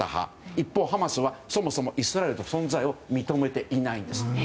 一方、ハマスはそもそもイスラエルの存在を認めていないんです。